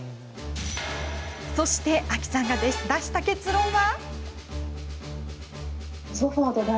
そして、あきさんが出した結論は。